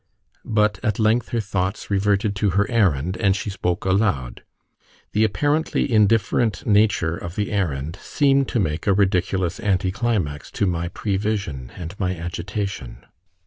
But at length her thoughts reverted to her errand, and she spoke aloud. The apparently indifferent nature of the errand seemed to make a ridiculous anticlimax to my prevision and my agitation.